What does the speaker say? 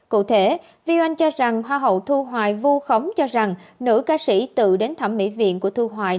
cụ thể vi oanh cho rằng hoa hậu thu hoài vu khống cho rằng nữ ca sĩ tự đến thẩm mỹ viện của thu hoài